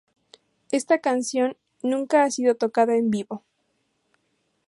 Esta canción nunca ha sido tocada en vivo.